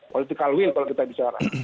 political will kalau kita bicara